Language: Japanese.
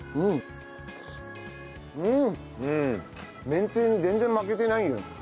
めんつゆに全然負けてないよ。